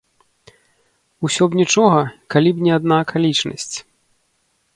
Усё б нічога, калі б не адна акалічнасць.